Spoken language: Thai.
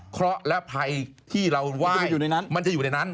เคราะห์และไพที่เราไหว้มันจะอยู่ในนั้น